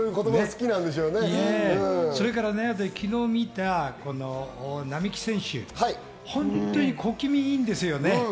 それから、昨日見た並木選手、本当に小気味いいんですよね。